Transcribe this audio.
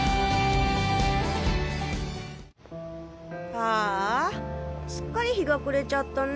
ああすっかり日が暮れちゃったね。